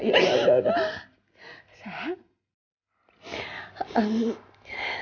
tapi dia nganggur nganggur